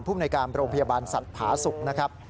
ผู้บนรายการโรงพยาบาลสัตว์ผสกนะครับ